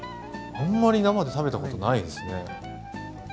あんまり生で食べたことないですね。